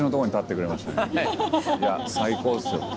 いや最高っすよ。